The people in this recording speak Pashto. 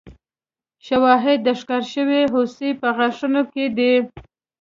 شواهد د ښکار شوې هوسۍ په غاښونو کې دي.